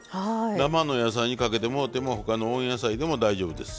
生の野菜にかけてもろても他の温野菜でも大丈夫です。